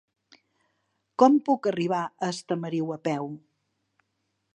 Com puc arribar a Estamariu a peu?